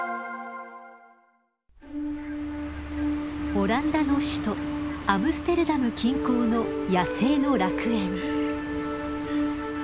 オランダの首都アムステルダム近郊の野生の楽園。